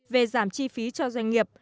về giảm chi phí cho doanh nghiệp